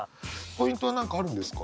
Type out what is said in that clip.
ポイントは何かあるんですか？